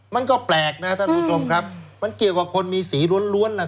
มันก็แปลกนะท่านผู้ชมครับมันเกี่ยวกับคนมีสีล้วน